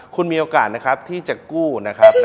คุณมีโอกาสนะครับที่จะกู้นะครับ